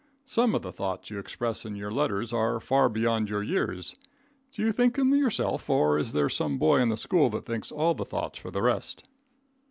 Some of the thoughts you express in your letters are far beyond your years. Do you think them yourself, or is there some boy in the school that thinks all the thoughts for the rest?